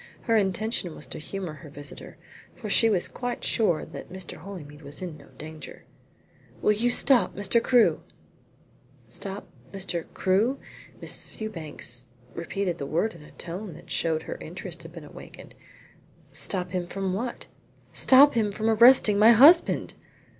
Her intention was to humour her visitor, for she was quite sure that Mr. Holymead was in no danger. "Will you stop Mr. Crewe?" "Stop Mr. Crewe?" Miss Fewbanks repeated the words in a tone that showed her interest had been awakened. "Stop him from what?" "Stop him from arresting my husband."